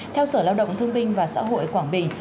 theo sở lao động thương binh và xã hội quảng bình